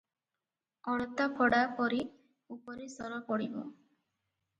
ଅଳତା ଫଡ଼ା ପରି ଉପରେ ସର ପଡ଼ିବ ।